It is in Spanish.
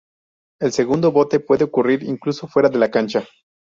El segundo bote puede ocurrir incluso fuera de la cancha.